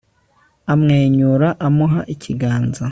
amwenyura, amuha ikiganza